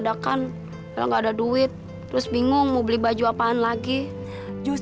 hey brittany aku minta balas